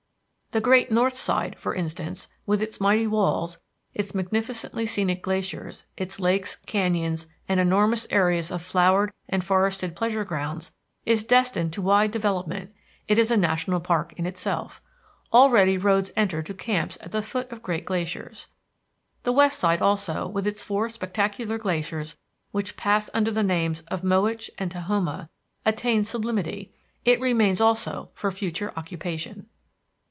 The great north side, for instance, with its mighty walls, its magnificently scenic glaciers, its lakes, canyons, and enormous areas of flowered and forested pleasure grounds, is destined to wide development; it is a national park in itself. Already roads enter to camps at the foot of great glaciers. The west side, also, with its four spectacular glaciers which pass under the names of Mowich and Tahoma, attains sublimity; it remains also for future occupation.